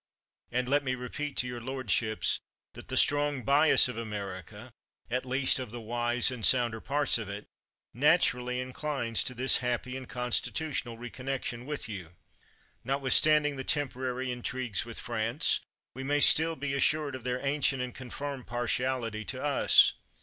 And let me repeat to your lordships, that the strong bias of America, at least of the 224 CHATHAM wise and sounder parts of it, naturally inclines to this happy and constitutional reconnection with you. Notwithstanding the temporary in trigues with France, we may still be assured of their ancient and confirmed partiality to us.